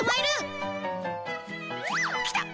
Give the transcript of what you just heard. きた！